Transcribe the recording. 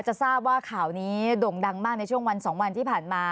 จะทราบว่าข่าวนี้โด่งดังมากในช่วงวัน๒วันที่ผ่านมา